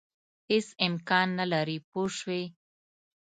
هېڅ امکان نه لري پوه شوې!.